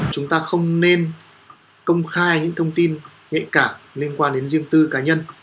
chúng ta không nên công khai những thông tin hệ cả liên quan đến riêng tư cá nhân